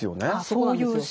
そうなんですよ。